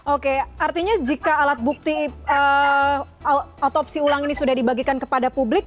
oke artinya jika alat bukti otopsi ulang ini sudah dibagikan kepada publik